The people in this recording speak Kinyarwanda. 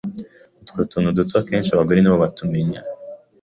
Utwo tuntu duto akenshi abagore nibo batumenya